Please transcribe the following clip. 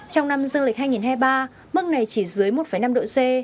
trong năm dương lịch hai nghìn hai mươi ba mức này chỉ dưới một năm độ c